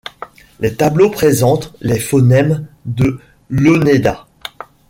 Les tableaux présentent les phonèmes de l’oneida.